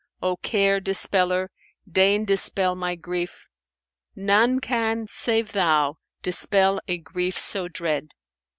O Care Dispeller, deign dispel my grief! * None can, save Thou, dispel a grief so dread."